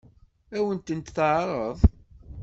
Ad wen-tent-teɛṛeḍ?